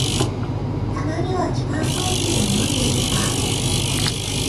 たまには違うコーヒーでも飲んでみるか